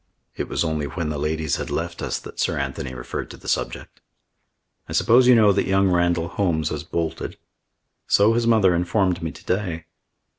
It was only when the ladies had left us that Sir Anthony referred to the subject. "I suppose you know that young Randall Holmes has bolted." "So his mother informed me to day."